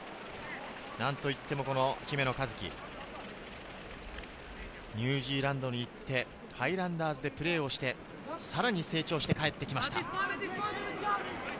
何といっても姫野和樹、ニュージーランドに行って、ハイランダーズでプレーをしてさらに成長して帰ってきました。